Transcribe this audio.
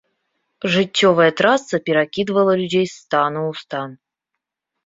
Жыццёвая трасца перакідвала людзей з стану ў стан.